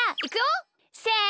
せの。